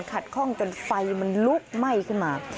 คล่องจนไฟมันลุกไหม้ขึ้นมา